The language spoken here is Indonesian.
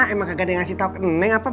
emang kagak dikasih tau ke nenek apa